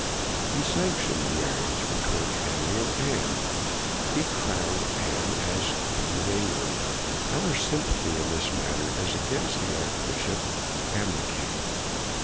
He sanc tioned the marriage between Henry and Anne; he crowned Anne as queen of Eng land. Our sympathy in this matter is against the archbishop and the king.